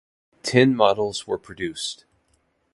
Ten models were produced.